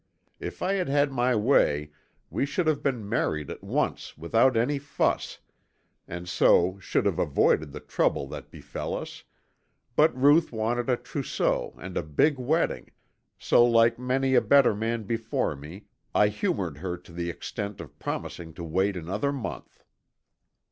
If I had had my way we should have been married at once without any fuss, and so should have avoided the trouble that befell us, but Ruth wanted a trousseau and a big wedding, so like many a better man before me I humored her to the extent of promising to wait another month.